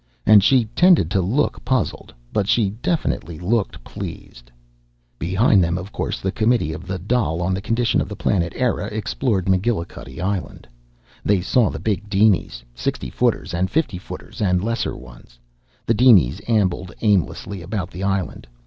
And she tended to look puzzled, but she definitely looked pleased. Behind them, of course, the Committee of the Dail on the Condition of the Planet Eire explored McGillicuddy Island. They saw the big dinies sixty footers and fifty footers and lesser ones. The dinies ambled aimlessly about the island.